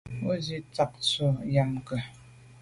O zwi’t’a ntshu am ké.